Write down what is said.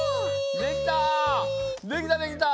できた。